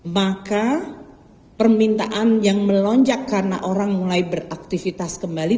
maka permintaan yang melonjak karena orang mulai beraktivitas kembali